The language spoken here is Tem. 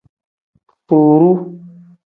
Furuu.